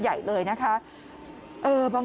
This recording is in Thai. กลับเข้ากันแล้วกัน